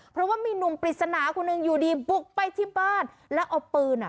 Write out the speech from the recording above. เพราะว่ามีหนุ่มปริศนาคนหนึ่งอยู่ดีบุกไปที่บ้านแล้วเอาปืนอ่ะ